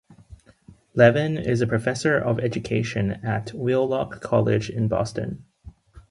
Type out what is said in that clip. Levin is a professor of education at Wheelock College in Boston.